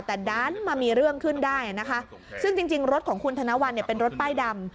แต่ดันมามีเรื่องขึ้นได้นะคะซึ่งจริงรถของคุณธนวัลเนี่ยเป็นรถป้ายดำ